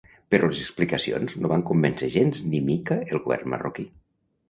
Però les explicacions no van convèncer gens ni mica el govern marroquí.